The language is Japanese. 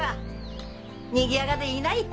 にぎやかでいいない！